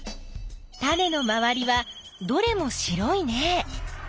タネのまわりはどれも白いね。